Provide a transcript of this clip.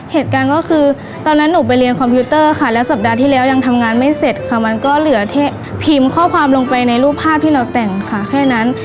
เหตุการณ์ก็คือตอนนั้นหนูไปเรียนคอมพิวเตอร์ค่ะแล้วสัปดาห์ที่แล้วยังทำงานไม่เสร็จค่ะมันก็เหลือแค่พิมพ์ข้อความลงไปในรูปภาพที่เราแต่งค่ะแค่นั้น